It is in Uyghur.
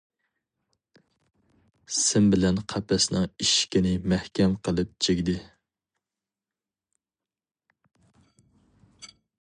سىم بىلەن قەپەسنىڭ ئىشىكىنى مەھكەم قىلىپ چىگدى.